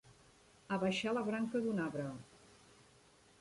Abaixar la branca d'un arbre.